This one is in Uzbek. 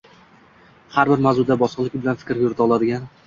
har bir mavzuda bosiqlik bilan fikr yurita oladigan